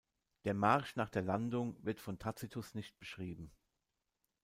Der Marsch nach der Landung wird von Tacitus nicht beschrieben.